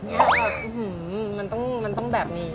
อื้อหือมันต้องแบบนี้